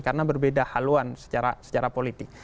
karena berbeda haluan secara politik